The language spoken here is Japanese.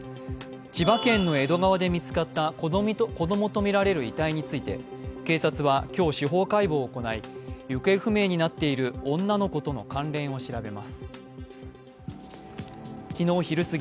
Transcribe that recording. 千葉県の江戸川で見つかった子供とみられる遺体について警察は今日、司法解剖を行い行方不明になっている女の子との関連を調べます。